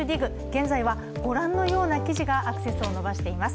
現在はご覧のような記事がアクセスを伸ばしています。